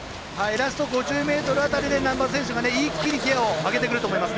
ラスト５０ｍ辺りで難波選手が一気にギアを上げてくると思います。